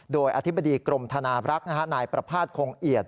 โดยอธิบดีกรมธนาบรักษ์นายประภาษณคงเอียด